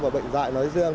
và bệnh dại nói riêng